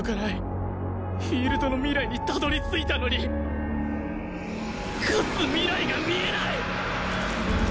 フィールドの未来にたどり着いたのに勝つ未来が見えない！